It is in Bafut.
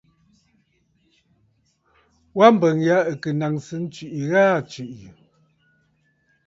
Wa mbəŋ yâ ɨ̀ kɨ nàŋsə ntwìʼi gha aa tswìʼì.